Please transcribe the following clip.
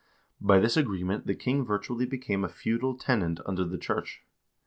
3 By this agreement the king virtually became a feudal tenant under the church.